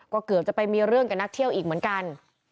ก็เกือบจะไปมีเรื่องกับนักเที่ยวอีกเหมือนกัน